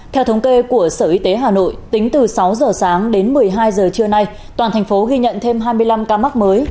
theo thống kê của sở y tế hà nội tính từ sáu giờ sáng đến một mươi hai giờ trưa nay toàn thành phố ghi nhận thêm hai mươi năm ca mắc mới